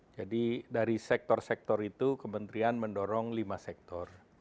jadi dari sektor sektor itu kementerian mendorong lima sektor